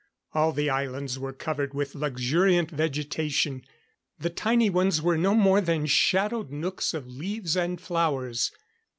All the islands were covered with luxuriant vegetation. The tiny ones were no more than shadowed nooks of leaves and flowers.